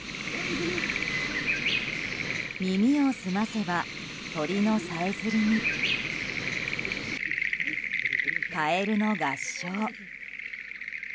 耳をすませば鳥のさえずりにカエルの合唱。